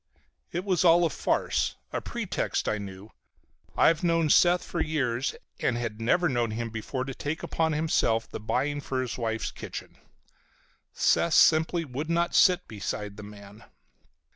It was all a farce, a pretext, I knew. I've known Seth for years and had never known him before to take upon himself the buying for his wife's kitchen. Seth simply would not sit beside the man.